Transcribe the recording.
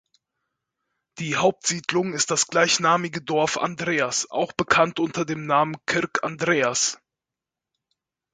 Die Hauptsiedlung ist das gleichnamige Dorf Andreas auch bekannt unter dem Namen Kirk Andreas.